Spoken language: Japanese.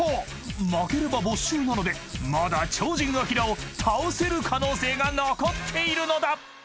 ［負ければ没収なのでまだ超人アキラを倒せる可能性が残っているのだ！］